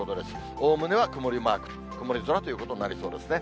おおむねは曇りマーク、曇り空ということになりそうですね。